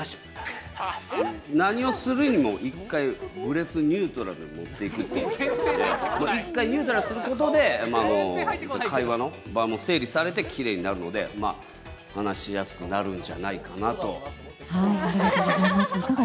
何をするにも、一回、ブレスニュートラルに持っていくっていうのが大事で、一回、ニュートラルにすることで、会話の場も整理されてきれいになるので、話しやありがとうございます。